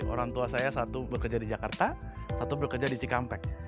orang tua saya satu bekerja di jakarta satu bekerja di cikampek